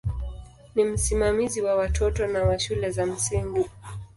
Ni msimamizi wa watoto na wa shule za msingi.